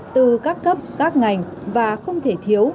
từ các cấp các ngành và không thể thiếu